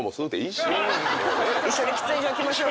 一緒に喫煙所行きましょう。